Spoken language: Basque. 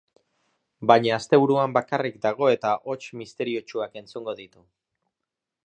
Baina asteburuan bakarrik dago eta hots misteriotsuak entzungo ditu.